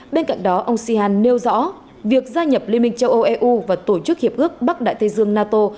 bên cạnh đó ông xihan nêu rõ việc gia nhập liên minh châu âu eu và tổ chức hiệp ước bắc đại thế giường nato